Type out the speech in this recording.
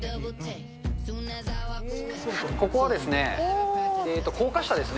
ここはですね、高架下ですね。